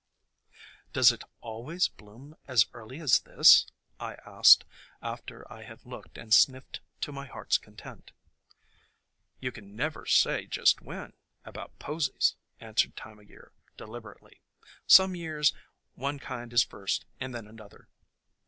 "Does it always bloom as early as this ?" I asked, after I had looked and sniffed to my heart's content. "You can never say just when, about posies," answered Time o' Year, deliberately. "Some years one kind is first and then another.